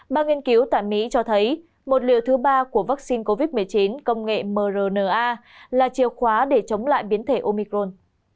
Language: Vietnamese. ba nghiên cứu tại mỹ cho thấy một liều thứ ba của vaccine covid một mươi chín công nghệ mrna là chìa khóa để chống lại biến thể omicron